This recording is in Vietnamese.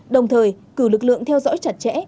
đồng thời cử lực lượng theo dõi chặt chẽ